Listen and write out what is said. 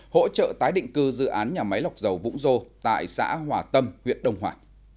hỗ trợ tái định cư dự án nhà máy lọc dầu vũng dô tại xã hòa tâm huyện đông hòa